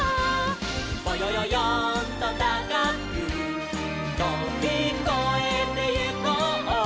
「ぼよよよんとたかくとびこえてゆこう」